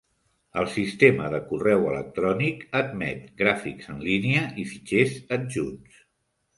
El sistema de correu electrònic admet gràfics en línia i fitxers adjunts.